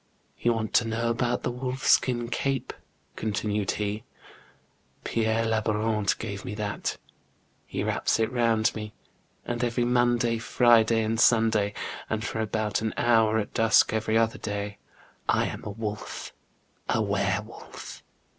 " You want to know about the wolf skin cape ?" continued he. " Pierre Labourant gave me that ; he wraps it round me, and every Monday, Friday, and Sunday, and for about an hour at dusk every other day, I am a wolf, a were wolf.